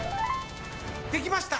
できました！